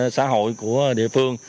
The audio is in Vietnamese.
xã hội của địa phương